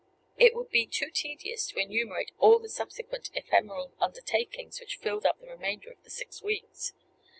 It would be too tedious to enumerate all the subsequent ephemeral undertakings which filled up the remainder of the six weeks.